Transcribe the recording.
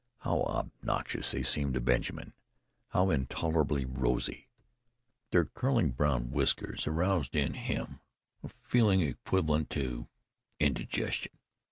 How obnoxious they seemed to Benjamin; how intolerably rosy! Their curling brown whiskers aroused in him a feeling equivalent to indigestion.